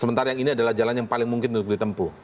sementara yang ini adalah jalan yang paling mungkin untuk ditempuh